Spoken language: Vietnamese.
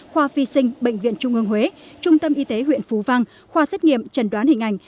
khoa phi sinh bệnh viện trung ương huế trung tâm y tế huyện phú vang khoa xét nghiệm trần đoán hình ảnh